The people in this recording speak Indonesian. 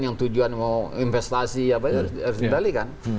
yang tujuan mau investasi apa itu harus dikendalikan